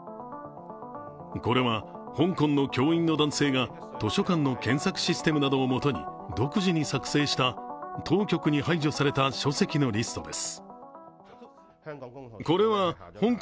これは香港の教員の男性が図書館の検索システムなどを元に独自に作成した当局に排除された書籍のリストです。